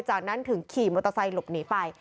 จากนั้นถึงขี่มอเตอร์ไซค์หลบหนีไป